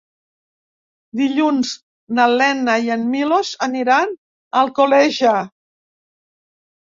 Dilluns na Lena i en Milos aniran a Alcoleja.